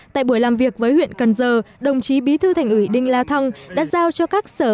tại buổi làm việc với huyện cần giờ đồng chí bí thư thành ủy đinh la thăng đã giao cho các sở